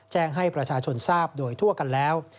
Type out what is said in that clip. แจ้งให้ประชาชนทราบโดยทั่วกันแล้ว